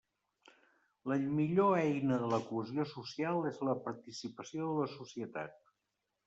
La millor eina de la cohesió social és la participació de la societat.